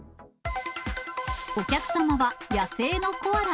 お客様は野生のコアラ。